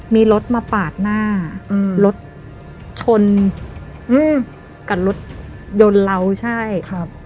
มีรถมาปาดหน้าอืมรถชนอืมกับรถยนต์เราใช่ครับ